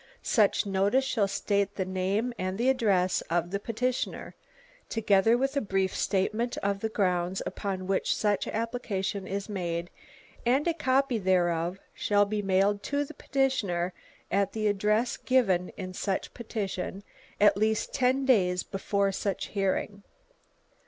Such notice shall state the name and the address of the petitioner, together with a brief statement of the grounds upon which such application is made, and a copy thereof shall be mailed to the petitioner at the address given in such petition at least ten days before such hearing.